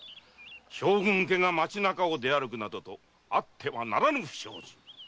将軍家が町中を出歩くなどとあってはならぬ不祥事。